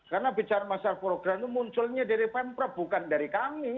karena bicara masalah program itu munculnya dari pempre bukan dari kami